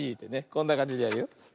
こんなかんじでやるよ。